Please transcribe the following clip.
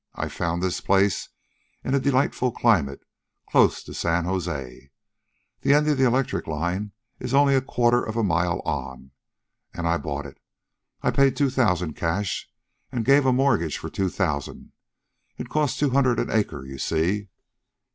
I found this place, in a delightful climate, close to San Jose the end of the electric line is only a quarter of a mile on and I bought it. I paid two thousand cash, and gave a mortgage for two thousand. It cost two hundred an acre, you see."